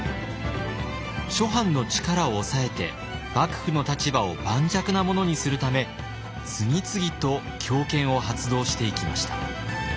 諸藩の力を抑えて幕府の立場を盤石なものにするため次々と強権を発動していきました。